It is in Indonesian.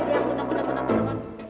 ya ampun ampun ampun ampun